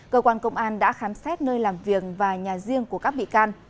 cơ quan công an đã khám xét nơi làm việc và nhà riêng của các bị can